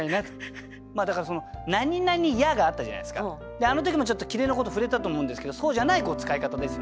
であの時もちょっと切れのこと触れたと思うんですけどそうじゃない使い方ですよね。